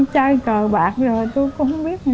thì nói cũng